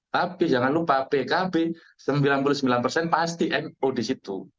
tapi jangan lupa pkb sembilan puluh sembilan persen pasti nu di situ